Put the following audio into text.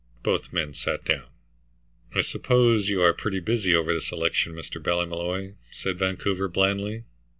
Both men sat down. "I suppose you are pretty busy over this election, Mr. Ballymolloy," said Vancouver; blandly.